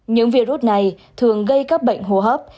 những virus này thường gây các bệnh hô hấp